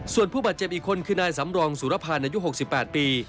ส่วนผู้บาดเจ็บอีกคนคือนายสำรองสุรพันธ์อายุ๖๘ปี